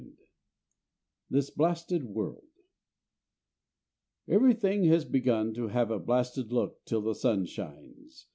XXVI THIS BLASTED WORLD Everything has begun to have a blasted look till the sun shines.